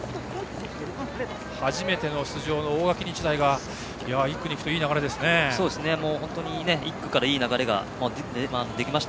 初めての出場の大垣日大が１区、２区といい流れです。